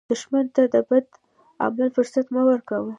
دښمن ته د بد عمل فرصت مه ورکوه